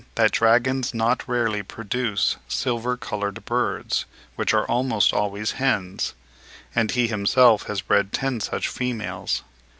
that dragons not rarely produce silver coloured birds, which are almost always hens; and he himself has bred ten such females.